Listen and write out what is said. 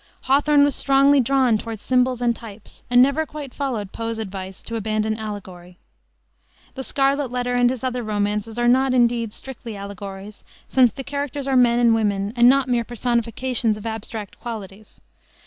Hawthorne was strongly drawn toward symbols and types, and never quite followed Poe's advice to abandon allegory. The Scarlet Letter and his other romances are not, indeed, strictly allegories, since the characters are men and women and not mere personifications of abstract qualities.